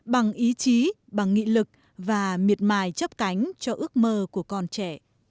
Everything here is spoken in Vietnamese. bằng ý chí bằng nghị lực và miệt mài chấp cánh cho ước mơ của con trẻ